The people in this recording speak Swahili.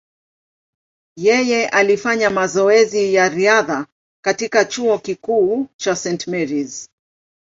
Yeye alifanya mazoezi ya riadha katika chuo kikuu cha St. Mary’s.